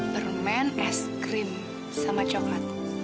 permen es krim sama coklat